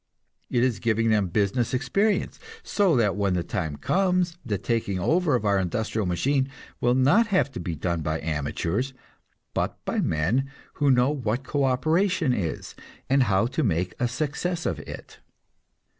It is giving them business experience, so that when the time comes the taking over of our industrial machine will not have to be done by amateurs, but by men who know what co operation is, and how to make a success of it.